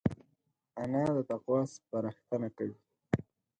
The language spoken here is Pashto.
انا د تقوی سپارښتنه کوي